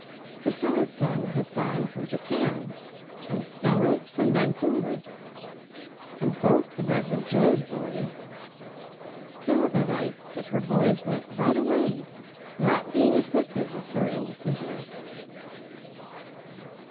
"Priscilla's son has gone from Japan and Stella's from Vancouver and both the Rev. Jo's boys. Philippa writes that her boys 'went right away, not being afflicted with her indecision.'"